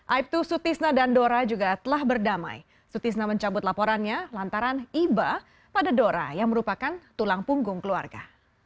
aibtu sutisna dan dora juga telah berdamai sutisna mencabut laporannya lantaran iba pada dora yang merupakan tulang punggung keluarga